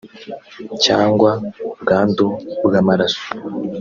cyangwa ubwandu bw’amaraso